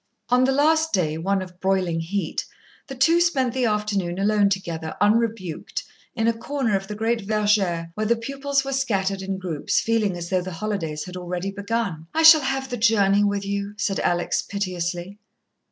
On the last day, one of broiling heat, the two spent the afternoon alone together unrebuked, in a corner of the great verger where the pupils were scattered in groups, feeling as though the holidays had already begun. "I shall have the journey with you," said Alex, piteously.